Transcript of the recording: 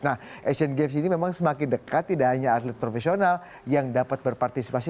nah asian games ini memang semakin dekat tidak hanya atlet profesional yang dapat berpartisipasi